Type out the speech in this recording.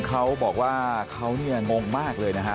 เขาบอกว่าเขาเนี่ยงงมากเลยนะฮะ